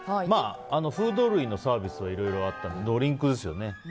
フード類のサービスはいろいろあったのでドリンクですよね。